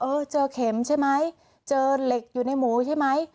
เออเจอเข็มใช่ไหมเจอเหล็กอยู่ในหมูใช่ไหม